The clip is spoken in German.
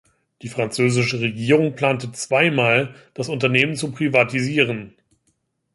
Die französische Regierung plante zweimal, das Unternehmen zu privatisieren.